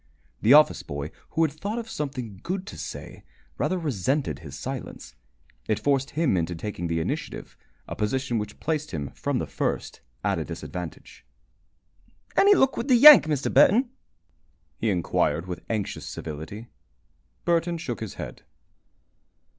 The office boy, who had thought of something good to say, rather resented his silence. It forced him into taking the initiative, a position which placed him from the first at a disadvantage. "Any luck with the Yank, Mr. Burton?" he inquired, with anxious civility. Burton shook his head.